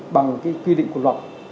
bằng cái quy định của luật